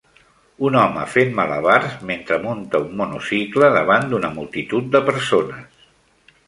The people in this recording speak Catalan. Un home fent malabars mentre munta un monocicle davant d'una multitud de persones.